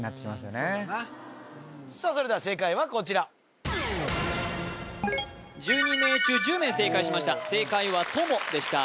それでは正解はこちら１２名中１０名正解しました正解は友でした